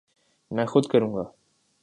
میں خود کروں گا